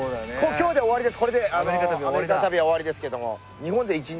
今日で終わりです。